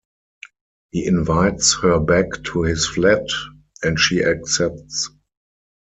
He invites her back to his flat and she accepts.